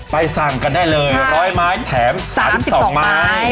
สั่งกันได้เลย๑๐๐ไม้แถม๓๒ไม้